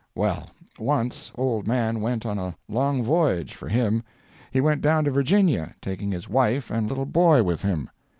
Well, once old Mann went on a long voyage—for him. He went down to Virginia, taking his wife and little boy with him.